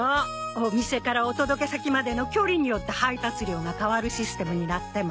お店からお届け先までの距離によって配達料が変わるシステムになってます。